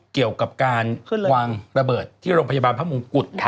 เกี่ยวกับการวางระเบิดที่โรงพยาบาลพระมงกุฎ